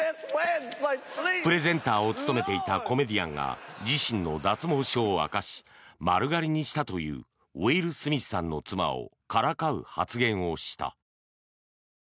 プレゼンターを務めていたコメディアンが自身の脱毛症を明かし丸刈りにしたというウィル・スミスさんの妻をからかう発言をした。